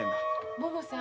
ももさん